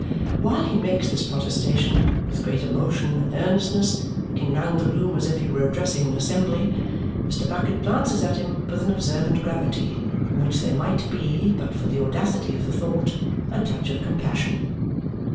While he makes this protestation with great emotion and earnestness, looking round the room as if he were addressing an assembly, Mr. Bucket glances at him with an observant gravity in which there might be, but for the audacity of the thought, a touch of compassion.